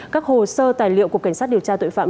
các hồ sơ tài liệu của cảnh sát điều tra tội phạm